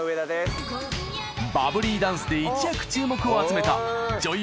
バブリーダンスで一躍注目を集めた女優